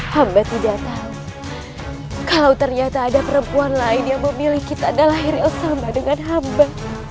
hamba tidak tahu kalau ternyata ada perempuan lain yang memilih kita adalah lahir yang sama dengan hamba